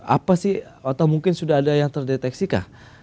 apa sih atau mungkin sudah ada yang terdeteksi kah